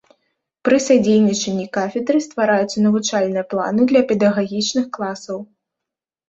Пры садзейнічанні кафедры ствараюцца навучальныя планы для педагагічных класаў.